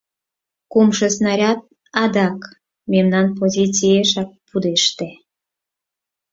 Кумшо снаряд адак мемнан позициешак пудеште.